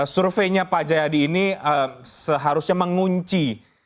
surveinya pak jayadi ini seharusnya mengunci